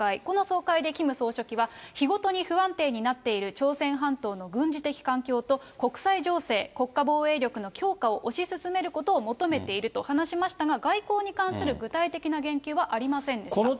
この総会でキム総書記は、日ごとに不安定になっている朝鮮半島の軍事的環境と、国際情勢、国家防衛力の強化を推し進めることを求めていると話しましたが、外交に関する具体的な言及はありませんでした。